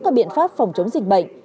các biện pháp phòng chống dịch bệnh